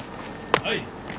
はい。